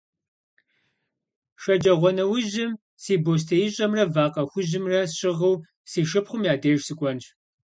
Шэджагъуэнэужьым си бостеищӏэмрэ вакъэ хужьымрэ сщыгъыу си шыпхъум я деж сыкӏуэнщ.